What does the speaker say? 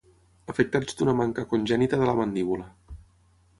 Afectats d'una manca congènita de la mandíbula.